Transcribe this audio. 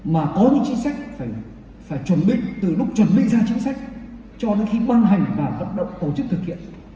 mà có những chính sách phải chuẩn bị từ lúc chuẩn bị ra chính sách cho đến khi ban hành và vận động tổ chức thực hiện